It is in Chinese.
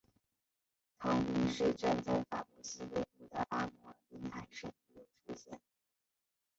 同名市镇在法国西北部的阿摩尔滨海省亦有出现。